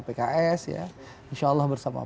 pks insya allah bersama